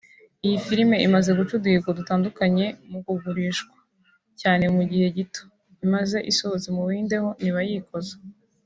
Iyi filime imaze guca uduhigo dutandukanye mu kugurushwa cyane mu gihe gito imaze isohotse mu Buhinde ho ntibayikoza